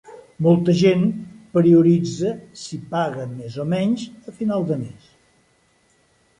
Molta gent prioritza si paga més o menys a final de mes.